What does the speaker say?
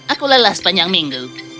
aku lelah sepanjang minggu